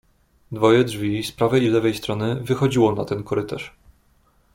"Dwoje drzwi, z prawej i lewej strony, wychodziło na ten korytarz."